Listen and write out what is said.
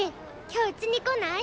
今日うちに来ない？